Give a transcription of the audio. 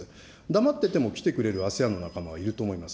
黙ってても来てくれるＡＳＥＡＮの仲間はいると思います。